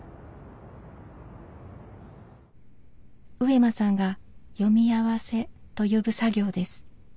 上間さんが「読み合わせ」と呼ぶ作業です。